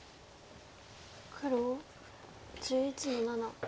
黒１１の七。